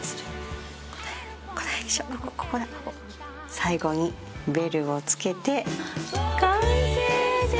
最後にベルを付けて完成でーす！